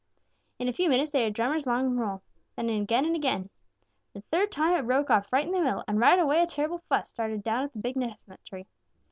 In a few minutes they heard Drummer's long roll. Then again and again. The third time it broke off right in the middle, and right away a terrible fuss started down at the big chestnut tree.